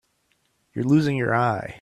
You're losing your eye.